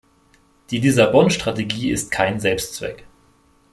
Die Lissabon-Strategie ist kein Selbstzweck.